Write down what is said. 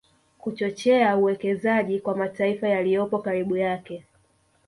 Kuchochea uwekezaji kwa mataifa yaliyopo karibu yake